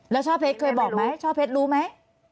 แล้วช่อเพชรเคยบอกไหมช่อเพชรรู้ไหม